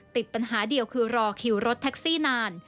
ติดปัญหาเดียวคือรอคิวรถแท็กซี่นาน